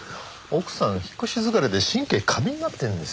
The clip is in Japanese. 奥さん引っ越し疲れで神経過敏になってるんですよ。